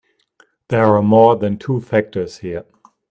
There are more than two factors here.